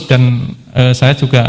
dan saya juga